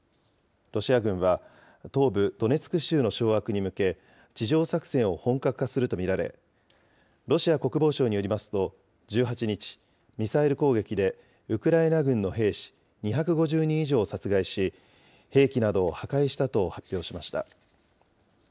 ロシア軍は、東部ドネツク州の掌握に向け、地上作戦を本格化すると見られ、ロシア国防省によりますと、１８日、ミサイル攻撃でウクライナ軍の兵士２５０人以上を殺害し、兵器などを破壊したと発表しました。